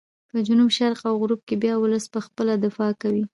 په جنوب شرق او غرب کې بیا ولس په خپله دفاع کوي.